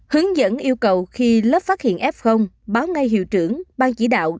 hướng dẫn yêu cầu khi lớp phát hiện f báo ngay hiệu trưởng bang chỉ đạo